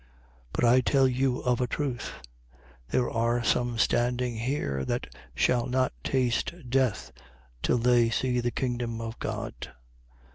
9:27. But I tell you of a truth: There are some standing here that shall not taste death till they see the kingdom of God.